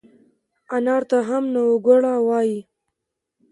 انار ته هم نووګوړه وای